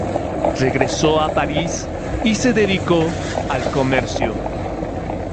Regresó a París y se dedicó al comercio.